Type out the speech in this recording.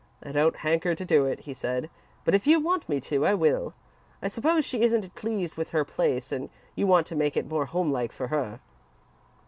"I don't hanker to do it," he said, "but if you want me to, I will. I suppose she isn't pleased with her place and you want to make it more homelike for her."